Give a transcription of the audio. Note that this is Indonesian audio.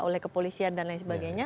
oleh kepolisian dan lain sebagainya